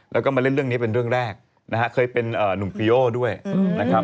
แล้วก็มาเล่นเรื่องนี้เป็นเรื่องแรกนะฮะเคยเป็นนุ่มปีโอด้วยนะครับ